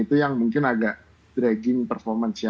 itu yang mungkin agak dragging performance ya